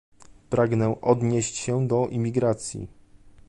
Pragnę odnieść się do imigracji